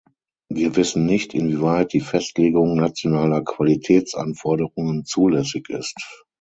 Wir wissen nicht, inwieweit die Festlegung nationaler Qualitätsanforderungen zulässig ist.